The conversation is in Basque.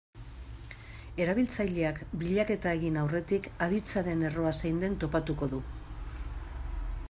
Erabiltzaileak bilaketa egin aurretik, aditzaren erroa zein den topatuko du.